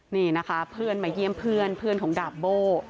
นี่นะคะเพื่อนมาเยี่ยมเพื่อนเพื่อนของดาบโบ้